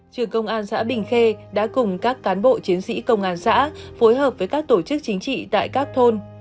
trừ công an xã bình khê đã cùng các cán bộ chiến sĩ công an xã phối hợp với các tổ chức chính trị tại các thôn